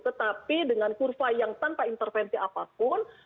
tetapi dengan kurva yang tanpa intervensi apapun